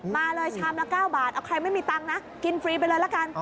มาเลยชามละ๙บาทเอาใครไม่มีตังค์นะกินฟรีไปเลยละกัน